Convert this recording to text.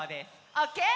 オッケー？